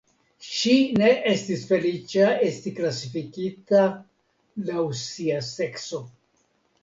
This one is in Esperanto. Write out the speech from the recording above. Ŝi ne estis feliĉa esti klasifikita laŭ sia sekso.